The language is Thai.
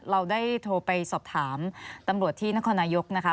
เราได้โทรไปสอบถามตำรวจที่นครนายกนะคะ